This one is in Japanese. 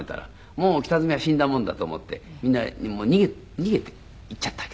もう北詰は死んだもんだと思ってみんな逃げて行っちゃったわけですよ。